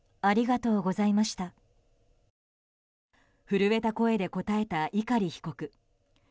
震えた声で答えた碇被告。